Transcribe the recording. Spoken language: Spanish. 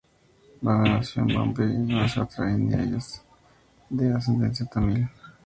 Bala nació en Mumbai, Maharashtra, India y es de ascendencia Tamil.